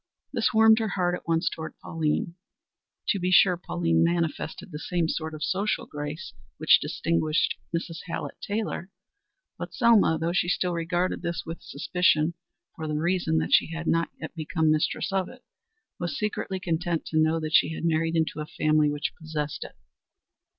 This warmed her heart at once toward Pauline. To be sure Pauline manifested the same sort of social grace which distinguished Mrs. Hallett Taylor, but Selma, though she still regarded this with suspicion, for the reason that she had not yet become mistress of it, was secretly content to know that she had married into a family which possessed it.